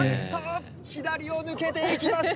左を抜けていきました。